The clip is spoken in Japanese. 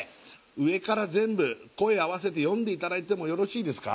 上から全部声合わせて読んでいただいてもよろしいですか？